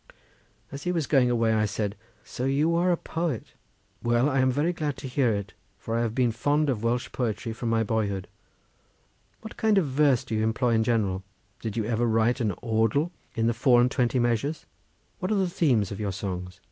As he was going away, I said, "So you are a poet. Well, I am very glad to hear it, for I have been fond of Welsh poetry from my boyhood. What kind of verse do you employ in general? Did you ever write an awdl in the four and twenty measures? What are the themes of your songs?